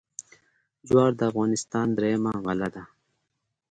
جوار د افغانستان درېیمه غله ده.